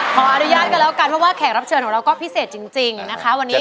ขออนุญาตกันแล้วกันเพราะว่าแขกรับเชิญของเราก็พิเศษจริงนะคะวันนี้